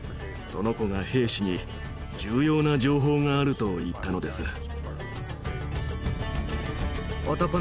その子が兵士に「重要な情報がある」と言ったのです。